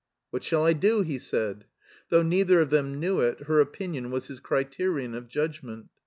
^ "What shall I do?" he said. Though neither of them knew it, her opinion was his criterion of judg ment.